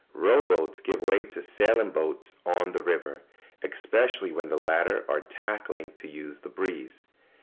] Row boats give way to sailing boats on the river, especially when the latter are tacking to use the breeze.